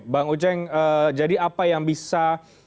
bang uceng jadi apa yang bisa